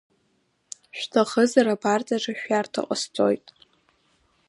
Шәҭахызар абарҵаҿы шәиарҭа ҟасҵоит…